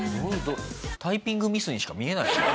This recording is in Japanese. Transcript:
タイピングミスにしか見えない。